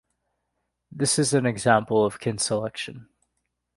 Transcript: This is an example of kin selection.